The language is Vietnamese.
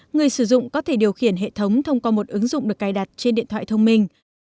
người sử dụng có thể điều khiển hệ thống thông qua một ứng dụng được cài đặt trên điện thoại thông minh